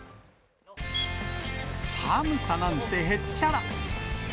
寒さなんてへっちゃら！